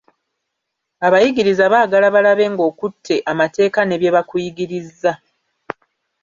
Abayigiriza baagala balabe ng'okutte amateeka ne bye bakuyigirizza.